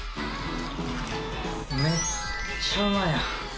めっちゃうまいな。